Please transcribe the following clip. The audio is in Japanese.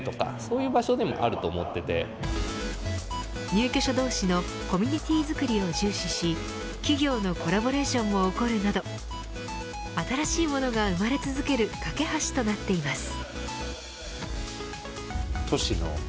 入居者同士のコミュニティづくりを重視し企業のコラボレーションも起こるなど新しいものが生まれ続ける架け橋となっています。